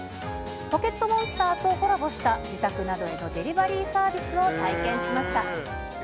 ポケットモンスターとコラボした自宅などへのデリバリーサービスを体験しました。